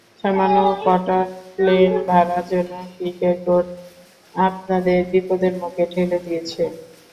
সামান্য কটা প্লেনভাড়ার জন্য ক্রিকেট বোর্ড আমাদের বিপদের মুখে ঠেলে দিয়েছে।